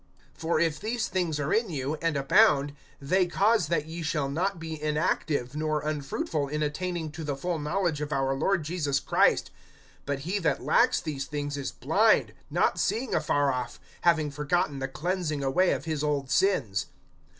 (8)For if these things are in you, and abound, they cause that ye shall not be inactive nor unfruitful in attaining to the full knowledge of our Lord Jesus Christ. (9)But he that lacks these things is blind, not seeing afar off, having forgotten the cleansing away of his old sins.